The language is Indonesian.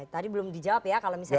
tadi belum dijawab ya kalau misalnya